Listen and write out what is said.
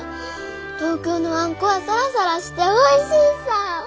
東京のあんこはサラサラしておいしいさぁ。